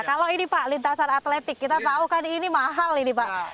kalau ini pak lintasan atletik kita tahu kan ini mahal ini pak